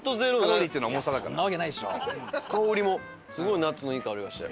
香りもすごいナッツのいい香りがして。